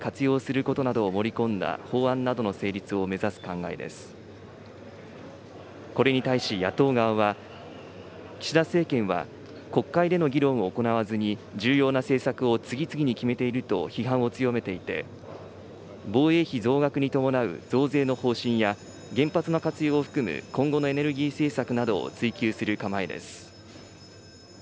これに対し、野党側は岸田政権は、国会での議論を行わずに重要な政策を次々に決めていると批判を強めていて、防衛費増額に伴う増税の方針や、原発の活用を含む今後のエネルギー政策などを追及する構えです。